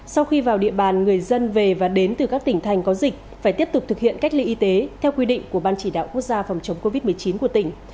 sau khi vào địa bàn người dân về và đến từ các tỉnh thành có dịch phải tiếp tục thực hiện cách ly y tế theo quy định của ban chỉ đạo quốc gia phòng chống covid một mươi chín của tỉnh